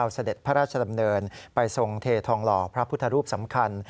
เสด็จพระราชดำเนินไปทรงเททองหล่อพระพุทธรูปสำคัญ